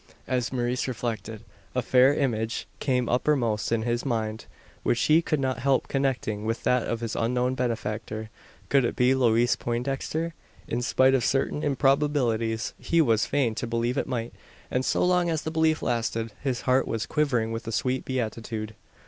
As Maurice reflected, a fair image came uppermost in his mind; which he could not help connecting with that of his unknown benefactor. Could it be Louise Poindexter? In spite of certain improbabilities, he was fain to believe it might; and, so long as the belief lasted, his heart was quivering with a sweet beatitude.